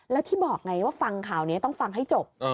แล้วที่บอกไงว่าฟังข่าวนี้ต้องฟังให้จบ